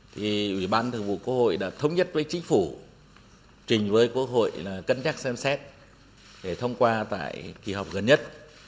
thì ủy ban thường vụ quốc hội đã thống nhất với chính phủ trình với quốc hội là cân chắc xem xét để thông qua tại kỳ họp gần nhất